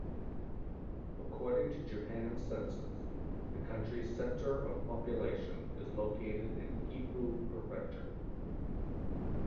According to Japan's census, the country's center of population is located in Gifu Prefecture.